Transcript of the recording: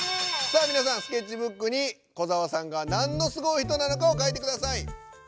さあみなさんスケッチブックに小澤さんが何のすごい人なのかを書いてください！